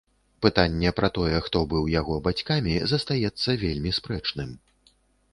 Пытанне пра тое, хто быў яго бацькамі, застаецца вельмі спрэчным.